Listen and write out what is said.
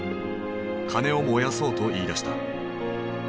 金を燃やそうと言いだした。